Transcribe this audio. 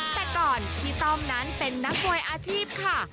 แต่ก่อนพี่ต้อมนั้นเป็นนักมวยอาชีพค่ะ